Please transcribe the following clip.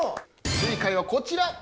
正解はこちら。